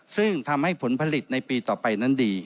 ซึ่งทำให้ผลผลิตในปีต่อไปนั้นดี